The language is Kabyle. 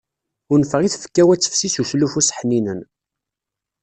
Unfeɣ i tfekka-w ad tefsi s uslufu-s ḥninen.